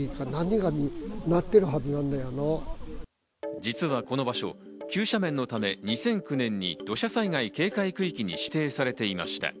実はこの場所、急斜面のため２００９年に土砂災害警戒区域に指定されていました。